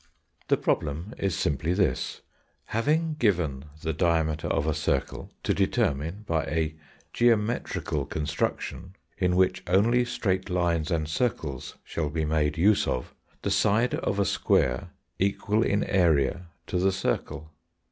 The problem is simply this: _Having given the diameter of a circle, to determine, by a geometrical construction, in which only straight lines and circles shall be made use of, the side of a square, equal in area to the circle_.